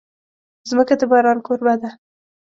مځکه د باران کوربه ده.